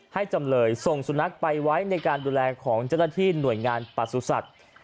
จำเลยส่งสุนัขไปไว้ในการดูแลของเจ้าหน้าที่หน่วยงานประสุทธิ์